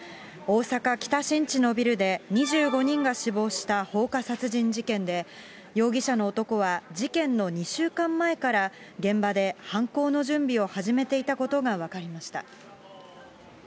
大阪・北新地のビルで、２５人が死亡した放火殺人事件で、容疑者の男は事件の２週間前から、現場で犯行の準備を始めていたことが分かりました。